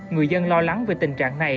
người dân lo lắng về tình trạng này